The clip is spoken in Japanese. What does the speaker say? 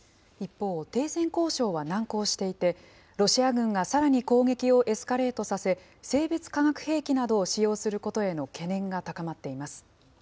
一方、停戦交渉は難航していて、ロシア軍がさらに攻撃をエスカレートさせ、生物・化学兵器などを使用することへの懸念が高まっています。